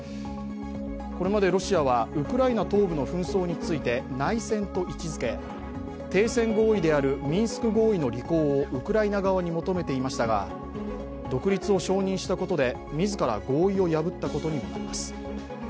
これまでロシアはウクライナ東部の紛争について内戦と位置づけ、停戦合意であるミンスク合意の履行をウクライナ側に求めていましたが、独立を承認したことで自ら合意を破ったことになります。